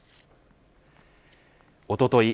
おととい